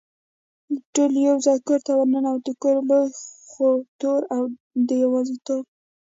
ټول یو ځای کور ته ور ننوتو، کور لوی خو تور او د یوازېتوب.